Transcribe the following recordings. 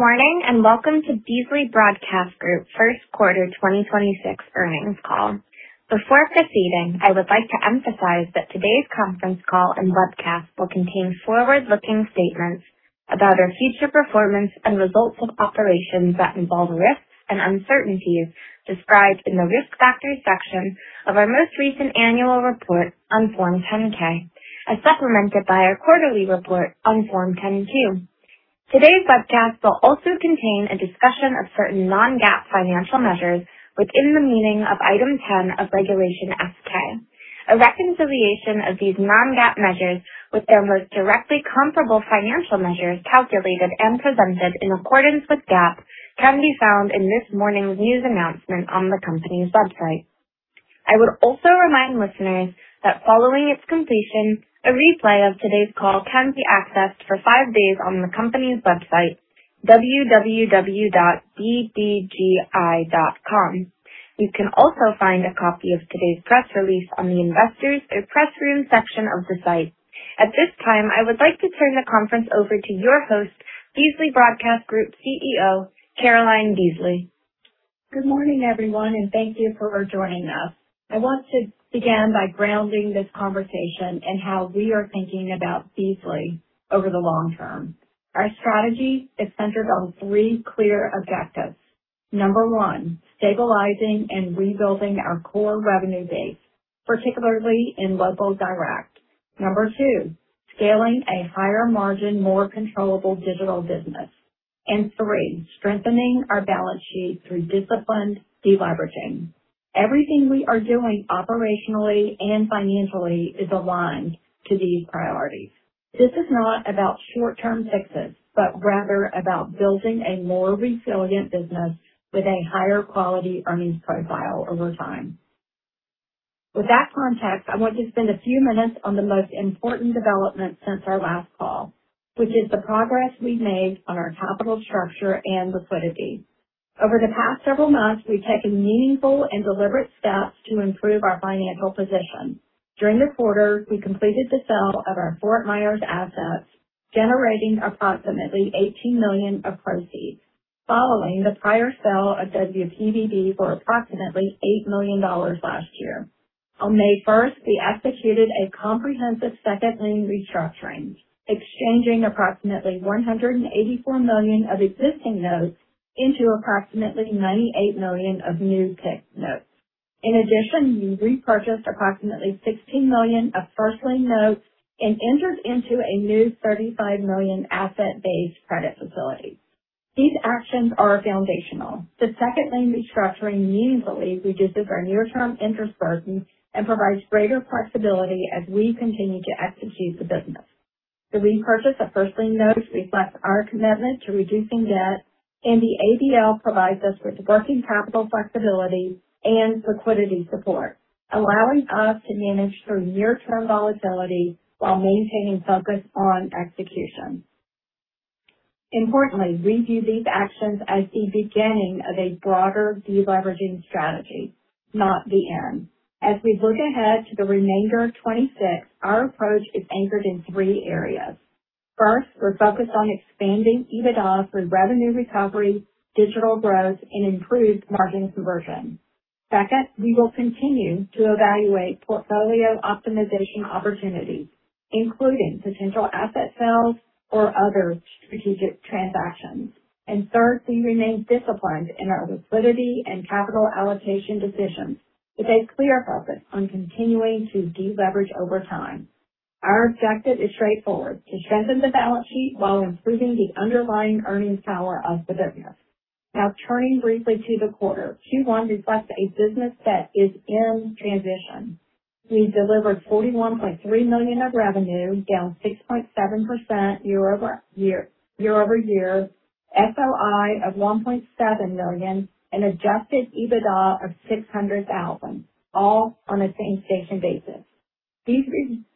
Good morning. Welcome to Beasley Broadcast Group first quarter 2026 earnings call. Before proceeding, I would like to emphasize that today's conference call and webcast will contain forward-looking statements about our future performance and results of operations that involve risks and uncertainties described in the Risk Factors section of our most recent annual report on Form 10-K, as supplemented by our quarterly report on Form 10-K. Today's webcast will also contain a discussion of certain non-GAAP financial measures within the meaning of Item 10 of Regulation S-K. A reconciliation of these non-GAAP measures with their most directly comparable financial measures calculated and presented in accordance with GAAP can be found in this morning's news announcement on the company's website. I would also remind listeners that following its completion, a replay of today's call can be accessed for five days on the company's website, www.bbgi.com. You can also find a copy of today's press release on the Investors or Press Room section of the site. At this time, I would like to turn the conference over to your host, Beasley Broadcast Group CEO Caroline Beasley. Good morning, everyone, and thank you for joining us. I want to begin by grounding this conversation in how we are thinking about Beasley over the long term. Our strategy is centered on three clear objectives. Number one, stabilizing and rebuilding our core revenue base, particularly in local direct. Number two, scaling a higher margin, more controllable digital business. Three, strengthening our balance sheet through disciplined deleveraging. Everything we are doing operationally and financially is aligned to these priorities. This is not about short-term fixes, but rather about building a more resilient business with a higher quality earnings profile over time. With that context, I want to spend a few minutes on the most important development since our last call, which is the progress we've made on our capital structure and liquidity. Over the past several months, we've taken meaningful and deliberate steps to improve our financial position. During the quarter, we completed the sale of our Fort Myers assets, generating approximately $18 million of proceeds following the prior sale of WPBB for approximately $8 million last year. On May first, we executed a comprehensive second lien restructuring, exchanging approximately $184 million of existing notes into approximately $98 million of new PIK notes. In addition, we repurchased approximately $16 million of first lien notes and entered into a new $35 million asset-based credit facility. These actions are foundational. The second lien restructuring meaningfully reduces our near-term interest burden and provides greater flexibility as we continue to execute the business. The repurchase of first lien notes reflects our commitment to reducing debt, and the ABL provides us with working capital flexibility and liquidity support, allowing us to manage through near-term volatility while maintaining focus on execution. Importantly, we view these actions as the beginning of a broader deleveraging strategy, not the end. As we look ahead to the remainder of 2026, our approach is anchored in three areas. First, we're focused on expanding EBITDA through revenue recovery, digital growth, and improved margin conversion. Second, we will continue to evaluate portfolio optimization opportunities, including potential asset sales or other strategic transactions. Third, we remain disciplined in our liquidity and capital allocation decisions with a clear focus on continuing to deleverage over time. Our objective is straightforward: to strengthen the balance sheet while improving the underlying earnings power of the business. Now, turning briefly to the quarter, Q1 reflects a business that is in transition. We delivered $41.3 million of revenue, down 6.7% year-over-year, SOI of $1.7 million, and adjusted EBITDA of $600,000, all on a same station basis. These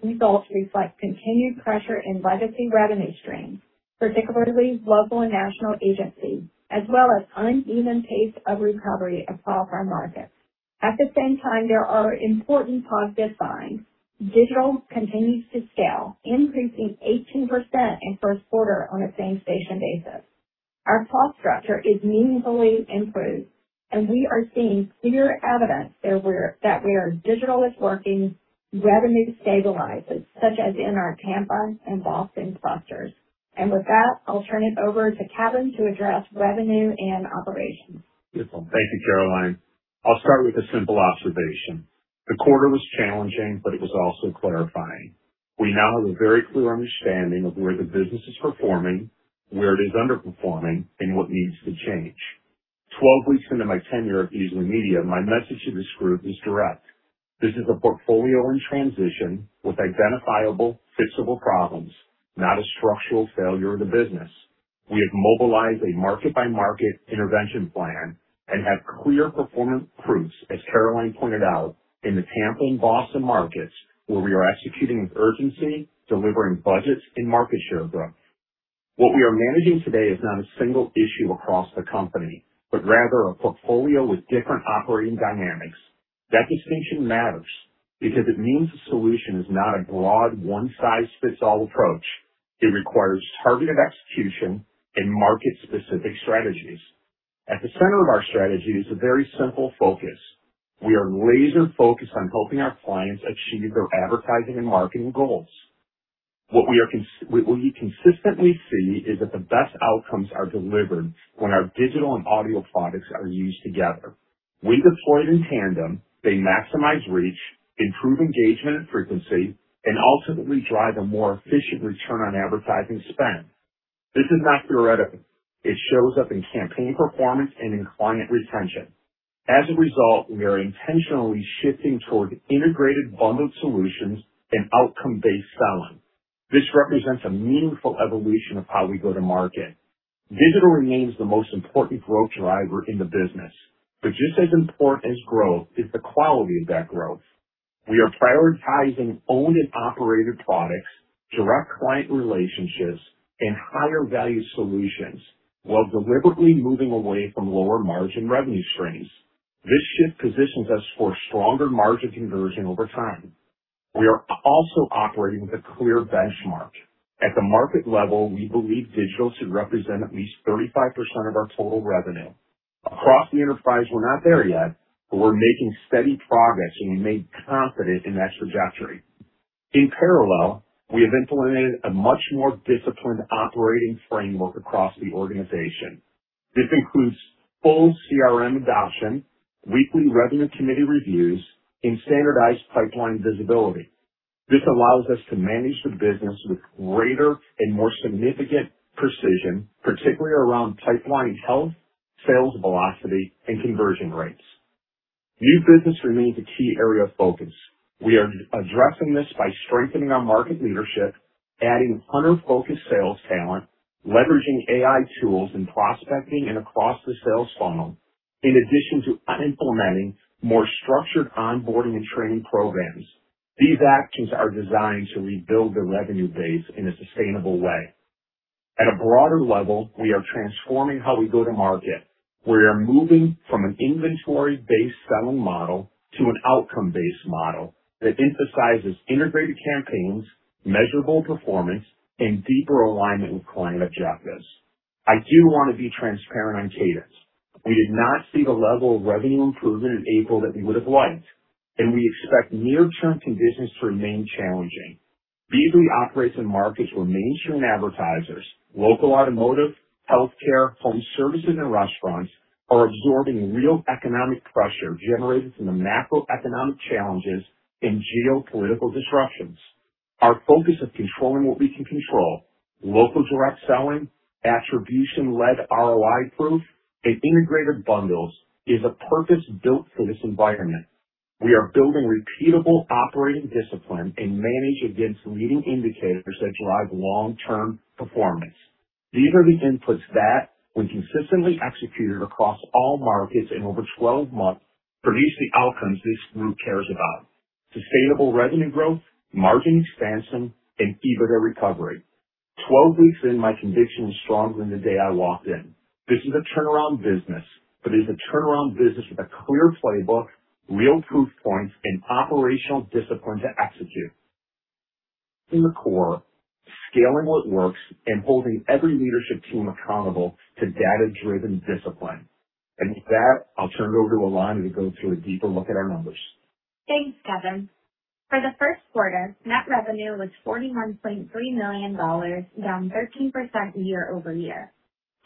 results reflect continued pressure in legacy revenue streams, particularly local and national agency, as well as uneven pace of recovery across our markets. At the same time, there are important positive signs. Digital continues to scale, increasing 18% in first quarter on a same station basis. Our cost structure is meaningfully improved, and we are seeing clear evidence that we are digital is working, revenue stabilizes, such as in our Tampa and Boston clusters. With that, I'll turn it over to Kevin to address revenue and operations. Thank you, Caroline. I'll start with a simple observation. The quarter was challenging, but it was also clarifying. We now have a very clear understanding of where the business is performing, where it is underperforming, and what needs to change. 12 weeks into my tenure at Beasley Media, my message to this group is direct. This is a portfolio in transition with identifiable fixable problems, not a structural failure of the business. We have mobilized a market-by-market intervention plan and have clear performance proofs, as Caroline pointed out, in the Tampa and Boston markets, where we are executing with urgency, delivering budgets and market share growth. What we are managing today is not a single issue across the company, but rather a portfolio with different operating dynamics. That distinction matters. It means the solution is not a broad one-size-fits-all approach. It requires targeted execution and market-specific strategies. At the center of our strategy is a very simple focus. We are laser-focused on helping our clients achieve their advertising and marketing goals. What we consistently see is that the best outcomes are delivered when our digital and audio products are used together. When deployed in tandem, they maximize reach, improve engagement and frequency, and ultimately drive a more efficient return on advertising spend. This is not theoretical. It shows up in campaign performance and in client retention. As a result, we are intentionally shifting toward integrated bundled solutions and outcome-based selling. This represents a meaningful evolution of how we go to market. Digital remains the most important growth driver in the business, just as important as growth is the quality of that growth. We are prioritizing owned and operated products, direct client relationships, and higher value solutions while deliberately moving away from lower margin revenue streams. This shift positions us for stronger margin conversion over time. We are also operating with a clear benchmark. At the market level, we believe digital should represent at least 35% of our total revenue. Across the enterprise, we're not there yet, but we're making steady progress, and we remain confident in that trajectory. In parallel, we have implemented a much more disciplined operating framework across the organization. This includes full CRM adoption, weekly revenue committee reviews, and standardized pipeline visibility. This allows us to manage the business with greater and more significant precision, particularly around pipeline health, sales velocity, and conversion rates. New business remains a key area of focus. We are addressing this by strengthening our market leadership, adding hunter-focused sales talent, leveraging AI tools in prospecting and across the sales funnel, in addition to implementing more structured onboarding and training programs. These actions are designed to rebuild the revenue base in a sustainable way. At a broader level, we are transforming how we go to market. We are moving from an inventory-based selling model to an outcome-based model that emphasizes integrated campaigns, measurable performance, and deeper alignment with client objectives. I do want to be transparent on cadence. We did not see the level of revenue improvement in April that we would have liked, and we expect near-term conditions to remain challenging. Beasley operates in markets where mainstream advertisers, local automotive, healthcare, home services, and restaurants are absorbing real economic pressure generated from the macroeconomic challenges and geopolitical disruptions. Our focus of controlling what we can control, local direct selling, attribution-led ROI proof, and integrated bundles is a purpose-built for this environment. We are building repeatable operating discipline and manage against leading indicators that drive long-term performance. These are the inputs that, when consistently executed across all markets in over 12 months, produce the outcomes this group cares about: sustainable revenue growth, margin expansion, and EBITDA recovery. 12 weeks in, my conviction is stronger than the day I walked in. This is a turnaround business, it is a turnaround business with a clear playbook, real proof points, and operational discipline to execute. In the core, scaling what works and holding every leadership team accountable to data-driven discipline. With that, I'll turn it over to Ilana to go through a deeper look at our numbers. Thanks, Kevin. For the first quarter, net revenue was $41.3 million, down 13% year-over-year.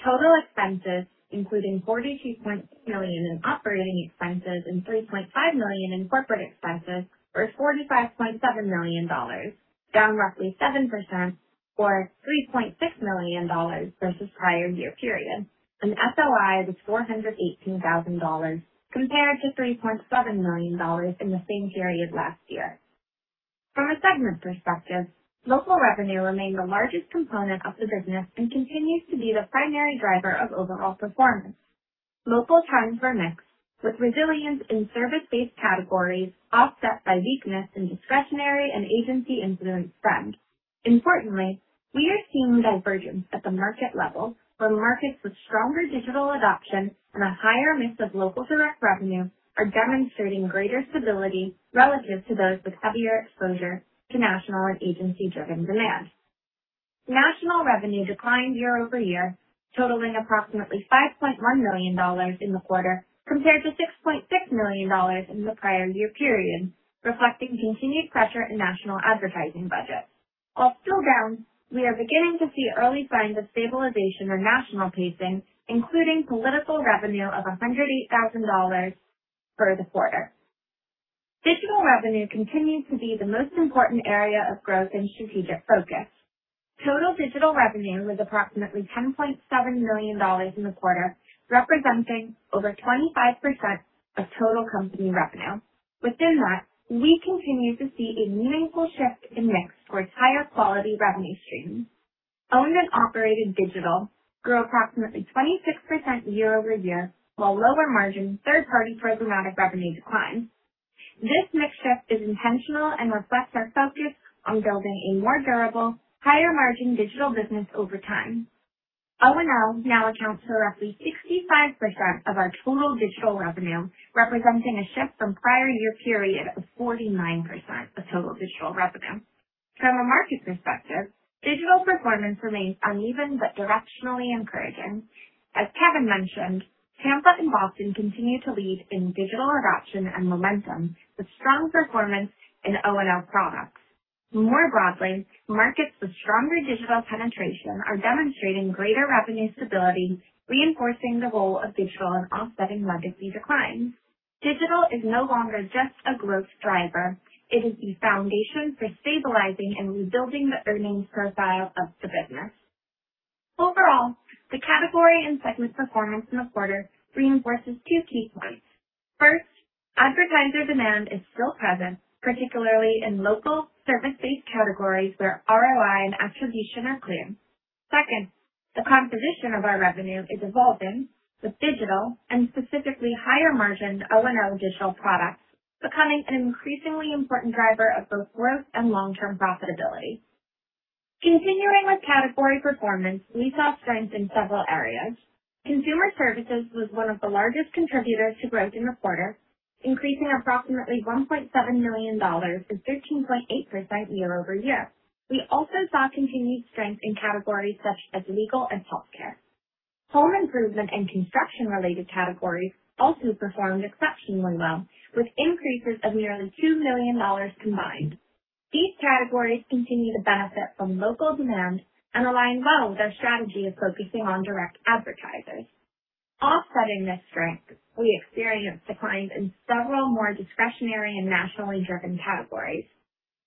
Total expenses, including $42.6 million in operating expenses and $3.5 million in corporate expenses, were $45.7 million, down roughly 7% or $3.6 million versus prior year period. FOI was $418,000 compared to $3.7 million in the same period last year. From a segment perspective, local revenue remained the largest component of the business and continues to be the primary driver of overall performance. Local trends were mixed, with resilience in service-based categories offset by weakness in discretionary and agency influenced spend. Importantly, we are seeing divergence at the market level, where markets with stronger digital adoption and a higher mix of local direct revenue are demonstrating greater stability relative to those with heavier exposure to national and agency-driven demand. National revenue declined year-over-year, totaling approximately $5.1 million in the quarter compared to $6.6 million in the prior year period, reflecting continued pressure in national advertising budgets. While still down, we are beginning to see early signs of stabilization or national pacing, including political revenue of $108,000 for the quarter. Digital revenue continues to be the most important area of growth and strategic focus. Total digital revenue was approximately $10.7 million in the quarter, representing over 25% of total company revenue. Within that, we continue to see a meaningful shift in mix towards higher quality revenue streams. Owned and operated digital grew approximately 26% year-over-year, while lower margin third-party programmatic revenue declined. This mix shift is intentional and reflects our focus on building a more durable, higher margin digital business over time. O&O now accounts for roughly 65% of our total digital revenue, representing a shift from prior year period of 49% of total digital revenue. From a market perspective, digital performance remains uneven but directionally encouraging. As Kevin mentioned, Tampa and Boston continue to lead in digital adoption and momentum with strong performance in O&O products. More broadly, markets with stronger digital penetration are demonstrating greater revenue stability, reinforcing the role of digital and offsetting legacy declines. Digital is no longer just a growth driver. It is the foundation for stabilizing and rebuilding the earnings profile of the business. Overall, the category and segment performance in the quarter reinforces two key points. First, advertiser demand is still present, particularly in local service-based categories where ROI and attribution are clear. Second, the composition of our revenue is evolving, with digital and specifically higher-margin O&O digital products becoming an increasingly important driver of both growth and long-term profitability. Continuing with category performance, we saw strength in several areas. Consumer services was one of the largest contributors to growth in the quarter, increasing approximately $1.7 million to 13.8% year-over-year. We also saw continued strength in categories such as legal and healthcare. Home improvement and construction-related categories also performed exceptionally well, with increases of nearly $2 million combined. These categories continue to benefit from local demand and align well with our strategy of focusing on direct advertisers. Offsetting this strength, we experienced declines in several more discretionary and nationally driven categories.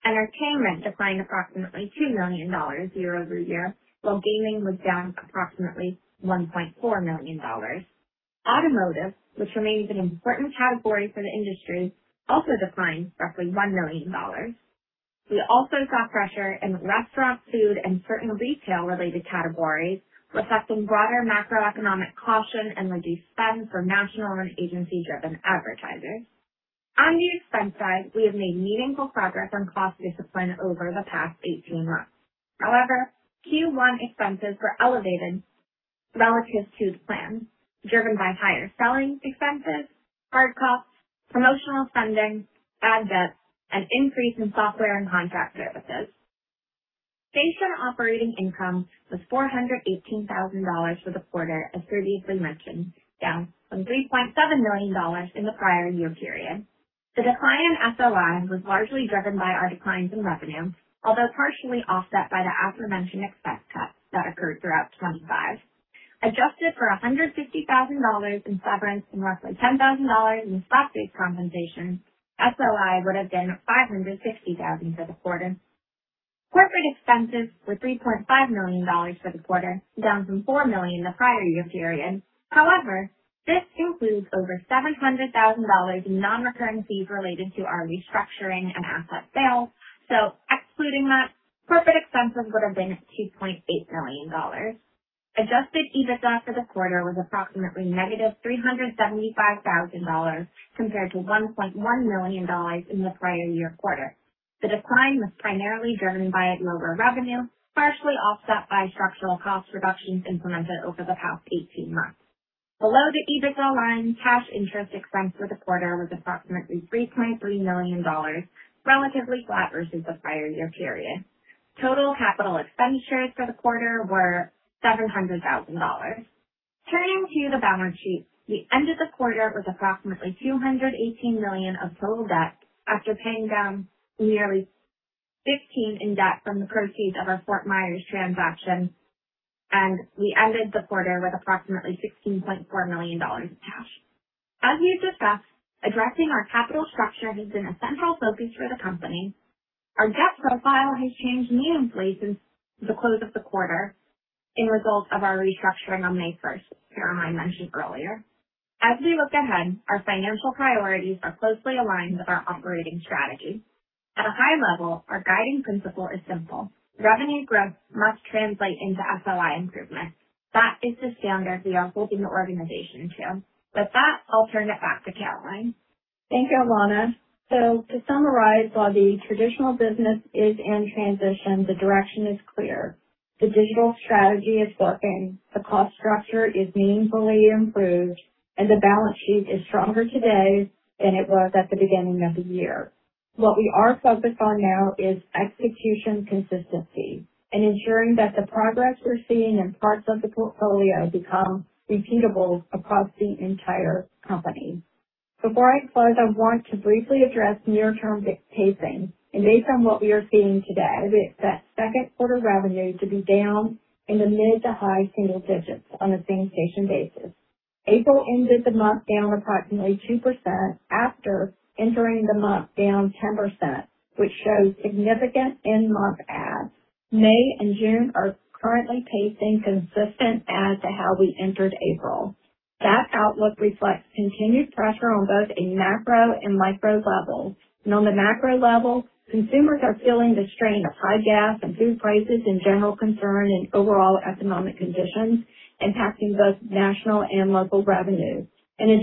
Entertainment declined approximately $2 million year-over-year, while gaming was down approximately $1.4 million. Automotive, which remains an important category for the industry, also declined roughly $1 million. We also saw pressure in restaurant, food, and certain retail-related categories, reflecting broader macroeconomic caution and reduced spend for national and agency-driven advertisers. On the expense side, we have made meaningful progress on cost discipline over the past 18 months. Q1 expenses were elevated relative to plan, driven by higher selling expenses, hard costs, promotional spending, bad debts, and increase in software and contract services. Station operating income was $418,000 for the quarter, as previously mentioned, down from $3.7 million in the prior year period. The decline in SOI was largely driven by our declines in revenue, although partially offset by the aforementioned expense cuts that occurred throughout 2025. Adjusted for $150,000 in severance and roughly $10,000 in stock-based compensation, SOI would have been $550,000 for the quarter. Corporate expenses were $3.5 million for the quarter, down from $4 million in the prior year period. However, this includes over $700,000 in non-recurring fees related to our restructuring and asset sale. Excluding that, corporate expenses would have been $2.8 million. Adjusted EBITDA for the quarter was approximately -$375,000 compared to $1.1 million in the prior year quarter. The decline was primarily driven by lower revenue, partially offset by structural cost reductions implemented over the past 18 months. Below the EBITDA line, cash interest expense for the quarter was approximately $3.3 million, relatively flat versus the prior year period. Total capital expenditures for the quarter were $700,000. Turning to the balance sheet, we ended the quarter with approximately $218 million of total debt after paying down nearly $15 in debt from the proceeds of our Fort Myers transaction, and we ended the quarter with approximately $16.4 million in cash. As we've discussed, addressing our capital structure has been a central focus for the company. Our debt profile has changed meaningfully since the close of the quarter in result of our restructuring on May first, Caroline mentioned earlier. As we look ahead, our financial priorities are closely aligned with our operating strategy. At a high level, our guiding principle is simple. Revenue growth must translate into SOI improvement. That is the standard we are holding the organization to. With that, I'll turn it back to Caroline. Thank you, Ilana. To summarize, while the traditional business is in transition, the direction is clear. The digital strategy is working, the cost structure is meaningfully improved, and the balance sheet is stronger today than it was at the beginning of the year. What we are focused on now is execution consistency and ensuring that the progress we're seeing in parts of the portfolio becomes repeatable across the entire company. Before I close, I want to briefly address near-term pacing. Based on what we are seeing today, we expect second quarter revenue to be down in the mid to high single digits on a same station basis. April ended the month down approximately 2% after entering the month down 10%, which shows significant in-month adds. May and June are currently pacing consistent as to how we entered April. That outlook reflects continued pressure on both a macro and micro level. On the macro level, consumers are feeling the strain of high gas and food prices and general concern in overall economic conditions, impacting both national and local revenue.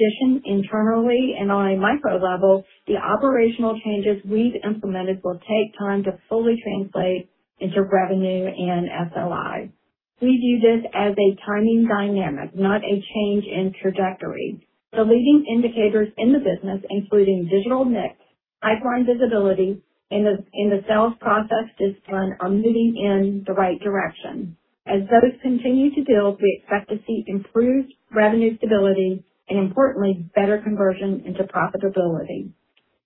Internally and on a micro level, the operational changes we've implemented will take time to fully translate into revenue and SOI. We view this as a timing dynamic, not a change in trajectory. The leading indicators in the sales process discipline are moving in the right direction. Those continue to build, we expect to see improved revenue stability and importantly, better conversion into profitability.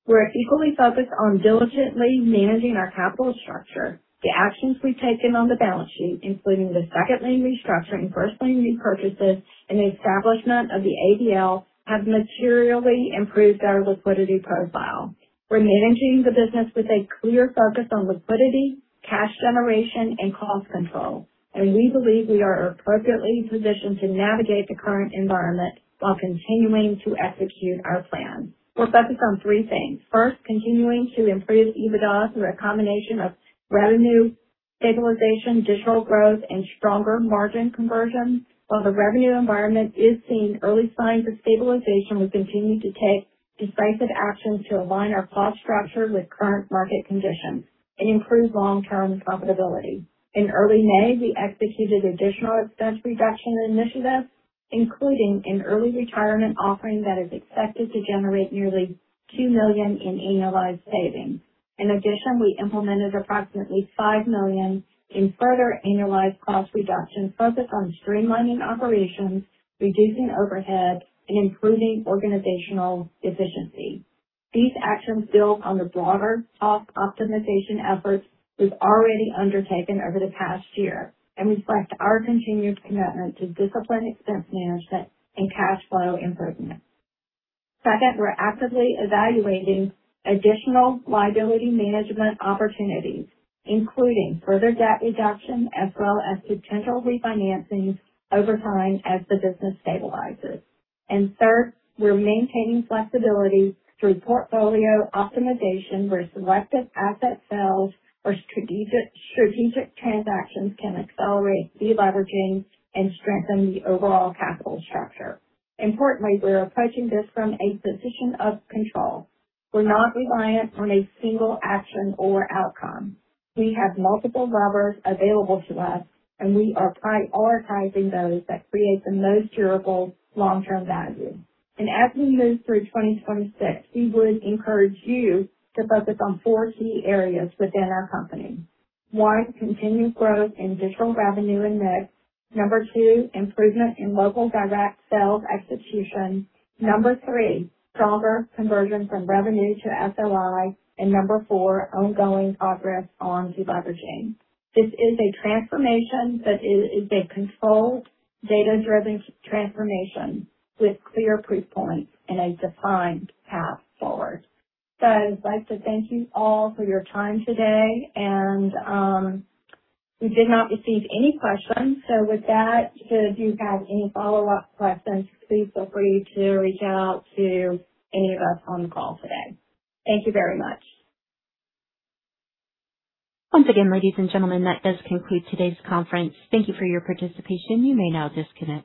We're equally focused on diligently managing our capital structure. The actions we've taken on the balance sheet, including the second lien restructuring, first lien repurchases, and the establishment of the ABL, have materially improved our liquidity profile. We're managing the business with a clear focus on liquidity, cash generation, and cost control. We believe we are appropriately positioned to navigate the current environment while continuing to execute our plan. We're focused on three things. First, continuing to improve EBITDA through a combination of revenue stabilization, digital growth, and stronger margin conversion. While the revenue environment is seeing early signs of stabilization, we continue to take decisive actions to align our cost structure with current market conditions and improve long-term profitability. In early May, we executed additional expense reduction initiatives, including an early retirement offering that is expected to generate nearly $2 million in annualized savings. In addition, we implemented approximately $5 million in further annualized cost reductions focused on streamlining operations, reducing overhead, and improving organizational efficiency. These actions build on the broader cost optimization efforts we've already undertaken over the past year and reflect our continued commitment to disciplined expense management and cash flow improvement. Second, we're actively evaluating additional liability management opportunities, including further debt reduction as well as potential refinancings over time as the business stabilizes. Third, we're maintaining flexibility through portfolio optimization where selective asset sales or strategic transactions can accelerate deleveraging and strengthen the overall capital structure. Importantly, we're approaching this from a position of control. We're not reliant on a single action or outcome. We have multiple levers available to us, and we are prioritizing those that create the most durable long-term value. As we move through 2026, we would encourage you to focus on four key areas within our company. One. Continued growth in digital revenue and mix. Number two, Improvement in local direct sales execution. Number three, Stronger conversion from revenue to SOI. Number four, Ongoing progress on deleveraging. This is a transformation, but it is a controlled data-driven transformation with clear proof points and a defined path forward. I'd like to thank you all for your time today. We did not receive any questions. With that, if you have any follow-up questions, please feel free to reach out to any of us on the call today. Thank you very much. Once again, ladies and gentlemen, that does conclude today's conference. Thank you for your participation. You may now disconnect.